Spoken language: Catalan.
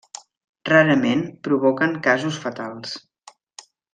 Rarament, provoquen casos fatals.